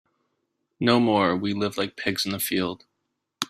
No more we live like pigs in the field.